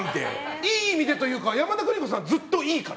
いい意味でというか山田邦子さんはずっといいから！